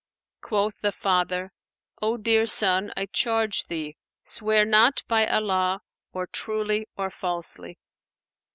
Quoth the father, "O dear son, I charge thee, swear not by Allah or truly or falsely."